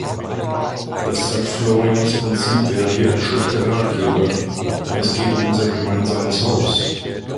Das Sankt-Florians-Prinzip wäre hier ein schlechter Ratgeber, denn es geht um unser gemeinsames Haus.